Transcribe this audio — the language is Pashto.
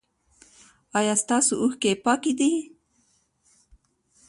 ایا ستاسو اوښکې پاکې دي؟